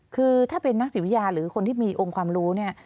คือถ้าเป็นนักจิตวิทยาหรือคนที่มีองค์ความรู้เนี่ย